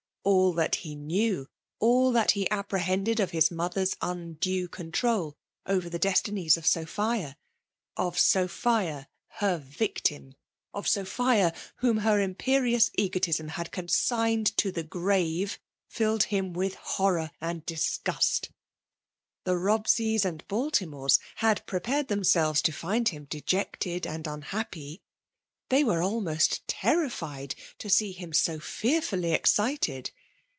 All that he knew, ell that he apprehended of his mother's undue control over the destinies of Sophia— of Sophia> her victim* — of Sophia, whom her impious egotism had consigned to the grave^ — filled him with horror and disgust. The Bobseya and Baltimores had prepared themselves to find him dejected and unhappy; they W€te almost terrified to see him so fearfully excited.